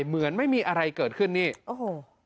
เหมือนไม่มีอะไรเกิดขึ้นนี่โอ้โห